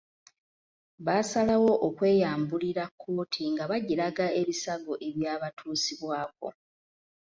Baasalawo okweyambulira kkooti nga bagiraga ebisago ebyabatuusibwako.